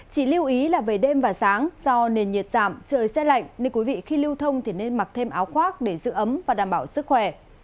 chỉ lưu ý là về đêm và sáng do nền nhiệt giảm trời xe lạnh nên quý vị khi lưu thông thì nên mặc thêm áo khoác để giữ ấm và đảm bảo sức khỏe